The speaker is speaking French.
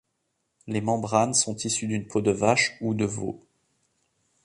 Les membranes sont issues d'une peau de vache ou de veau.